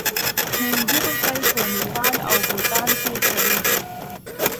هندي روپۍ په نیپال او بوتان کې چلیږي.